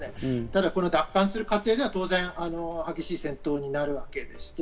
ただ奪還する過程では当然激しい戦闘になるわけです。